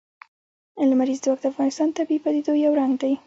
لمریز ځواک د افغانستان د طبیعي پدیدو یو رنګ دی.